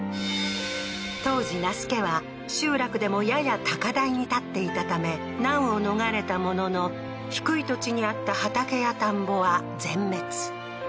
当時那須家は集落でもやや高台に建っていたため難を逃れたものの低い土地にあった畑や田んぼは全滅